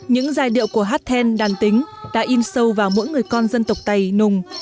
những giai điệu của hát then đàn tính đã in sâu vào mỗi người con dân tộc tây nùng